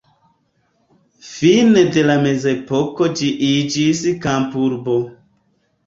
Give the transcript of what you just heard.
Fine de la mezepoko ĝi iĝis kampurbo.